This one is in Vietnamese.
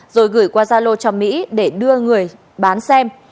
rồi gửi qua gia lô cho mỹ để đưa người bán xem